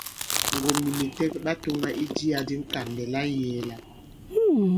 Ŋgɔ̀m nì mìtɛk ɓa tōŋa i jiā di Ŋkànlɛ̀ la ŋyēe-la.